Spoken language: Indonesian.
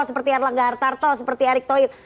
seperti erlangga hartarto seperti erick thohir